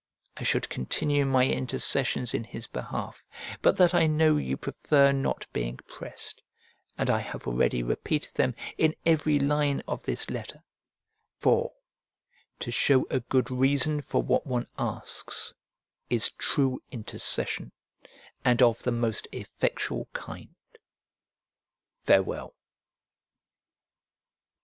I should continue my intercessions in his behalf, but that I know you prefer not being pressed, and I have already repeated them in every line of this letter: for, to show a good reason for what one asks is true intercession, and of the most effectual kind. Farewell.